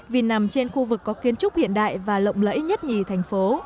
vì nằm trên khu vực có kiến trúc hiện đại và lộng lẫy nhất nhì thành phố